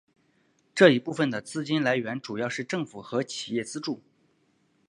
这一部分的资金来源主要是政府和企业资助。